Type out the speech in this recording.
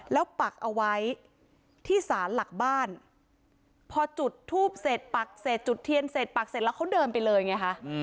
แล้วปักเอาไว้ที่สารหลักบ้านพอจุดทูบเสร็จปักเสร็จจุดเทียนเสร็จปักเสร็จแล้วเขาเดินไปเลยไงคะ